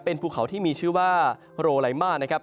เป็นภูเขาที่มีชื่อว่าโรไลมานะครับ